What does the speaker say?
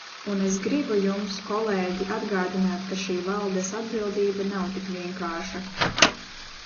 Un es gribu jums, kolēģi, atgādināt, ka šī valdes atbildība nav tik vienkārša.